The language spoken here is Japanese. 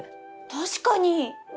確かに！